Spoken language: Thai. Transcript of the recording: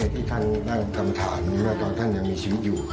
ที่ท่านนั่งกรรมฐานตอนท่านยังมีชีวิตอยู่